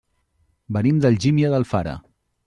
Venim d'Algímia d'Alfara.